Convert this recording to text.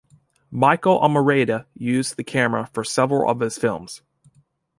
Michael Almereyda used the camera for several of his films.